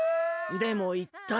でもいったい。